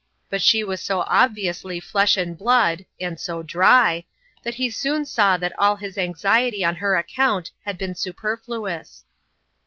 But she was so obviously flesh and blood and so dry that he soon saw that all his anxiety on her account had been super fluous.